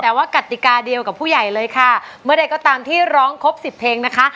แต่ว่ากติกาเดียวกับผู้ใหญ่เลยค่ะเมื่อใดก็ตามที่ร้องครบสิบเพลงนะคะ